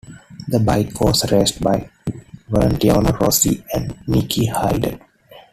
The bike was raced by Valentino Rossi and Nicky Hayden.